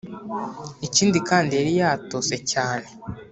ikindi kandi yari yatose cyane .